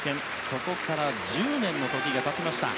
そこから１０年の時が経ちました。